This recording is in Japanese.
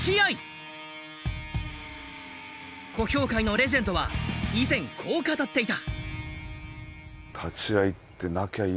小兵界のレジェンドは以前こう語っていた。